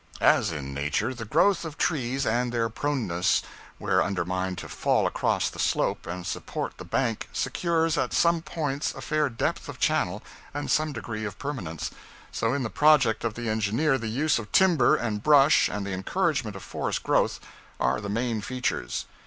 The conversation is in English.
As in nature the growth of trees and their proneness where undermined to fall across the slope and support the bank secures at some points a fair depth of channel and some degree of permanence, so in the project of the engineer the use of timber and brush and the encouragement of forest growth are the main features.